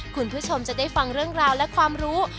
คุณผู้ชมจะได้ฟังเรื่องราวและความรู้